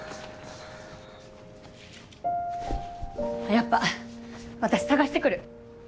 やっぱ私捜してくる。